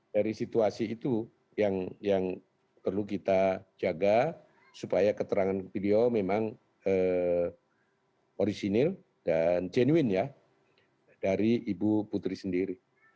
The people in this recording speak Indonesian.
dari situasi itu yang perlu kita jaga supaya keterangan beliau memang orisinil dan genuin ya dari ibu putri sendiri